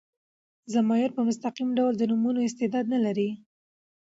ضمایر په مستقیم ډول د نومونو استعداد نه لري.